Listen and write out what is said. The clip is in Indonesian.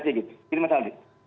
supaya tidak ada